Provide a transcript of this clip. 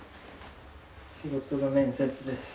仕事の面接です。